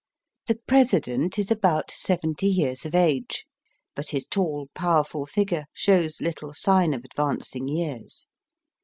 The President is about seventy years of age, but his tall, powerful figure shows little sign of advancing years.